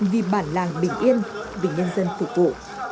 vì bản làng bình yên vì nhân dân phục vụ